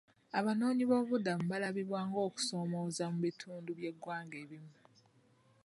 Abanoonyiboobubudamu balabibwa ng'okusoomooza mu bitundu by'eggwanga ebimu.